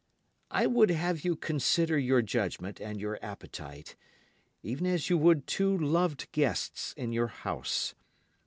I would have you consider your judgment and your appetite even as you would two loved guests in your house.